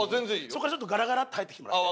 そこからちょっとガラガラッと入ってきてもらって。